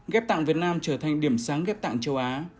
ghép tạng việt nam trở thành điểm sáng ghép tạng châu á